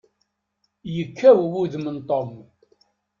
Yekkaw wudem n Tom.